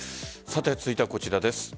続いてはこちらです。